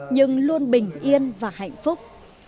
nhưng luôn bình yên và hạnh phúc